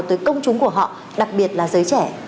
tới công chúng của họ đặc biệt là giới trẻ